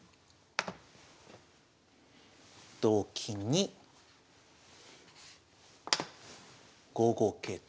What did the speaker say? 同金に５五桂と。